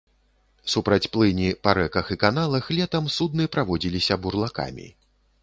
Супраць плыні па рэках і каналах летам судны праводзіліся бурлакамі.